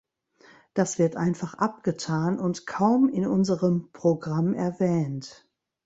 Das wird einfach abgetan und kaum in unserem Programm erwähnt.